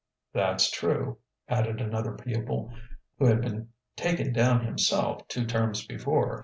"That's true," added another pupil, who had been taken down himself two terms before.